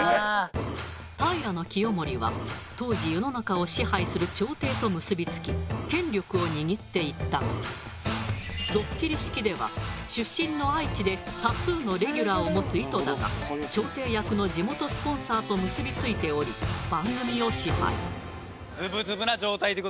平清盛は当時世の中を支配する朝廷と結び付き権力を握っていったのだがドッキリ式では出身の愛知で多数のレギュラーを持つ井戸田が朝廷役の地元スポンサーと結び付いており番組を支配。